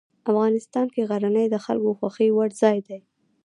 افغانستان کې غزني د خلکو د خوښې وړ ځای دی.